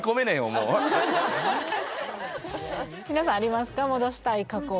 もう皆さんありますか？